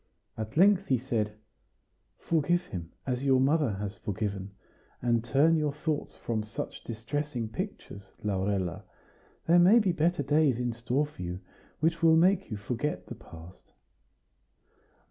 At length he said: "Forgive him, as your mother has forgiven! And turn your thoughts from such distressing pictures, Laurella; there may be better days in store for you, which will make you forget the past."